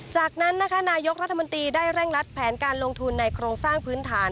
จากนั้นนะคะนายกรัฐมนตรีได้เร่งรัดแผนการลงทุนในโครงสร้างพื้นฐาน